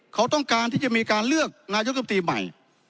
เขาต้องการที่จะมีการเลือกนายกรรมตรีใหม่